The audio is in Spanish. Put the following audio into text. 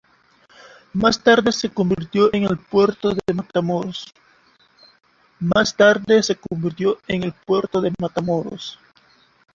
Más tarde se convirtió en el puerto de Matamoros.